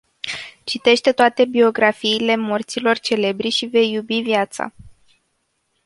Citește toate biografiile morților celebri și vei iubi viața.